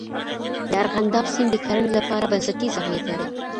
دارغنداب سیند د کرنې لپاره بنسټیز اهمیت لري.